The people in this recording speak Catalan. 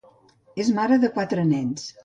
És mare de quatre nens.